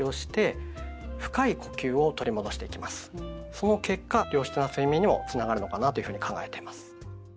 その結果良質な睡眠にもつながるのかなというふうに考えています。